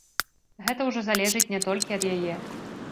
Гэта ўжо залежыць не толькі ад яе.